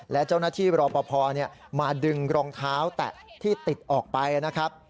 และเจ้าหน้าที่รอปภมาดึงรองเท้าแตะที่ติดออกไปนะครับ